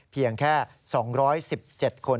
เพียงแค่๒๑๗คน